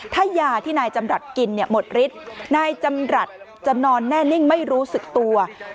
ถ้ายาที่นายจำรัฐกินเนี่ยหมดฤทธิ์นายจำรัฐจะนอนแน่นิ่งไม่รู้สึกตัว